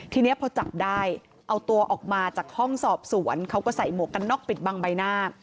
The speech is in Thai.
ทีนี้พอจับได้เอาตัวออกมาจากห้องสอบสวนเขาก็ใส่หมวกกันน็อกปิดบังใบหน้า